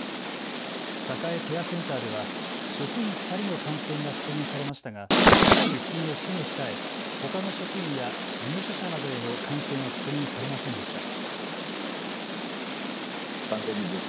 さかえケアセンターでは職員２人の感染が確認されましたが出勤をすぐ控え、ほかの職員や入所者などへの感染は確認されませんでした。